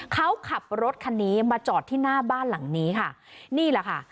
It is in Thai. เขาขับรถคันนี้มาจอดที่หน้าบ้านหลังนี้ค่ะนี่แหละค่ะ